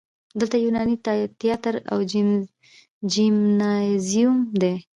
دلته یوناني تیاتر او جیمنازیوم و